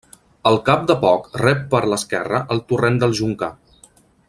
Al cap de poc rep per l'esquerra el torrent del Joncar.